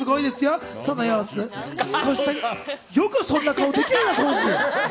よくそんな顔できるな、浩次。